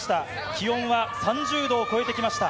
気温は３０度を超えてきました。